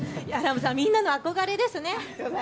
みんなの憧れですね。